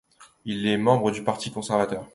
Il est membre du Parti conservateur.